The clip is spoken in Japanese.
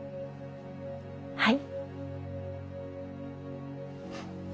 はい。